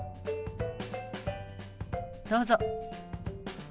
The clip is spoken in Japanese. どうぞ。